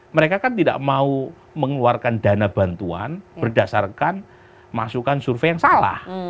mereka kan tidak mau mengeluarkan dana bantuan berdasarkan masukan survei yang salah